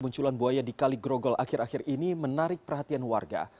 munculan buaya di kaligrogol akhir akhir ini menarik perhatian warga